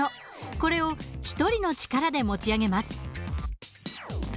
これを１人の力で持ち上げます。